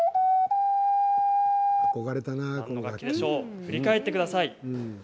振り返ってみてください。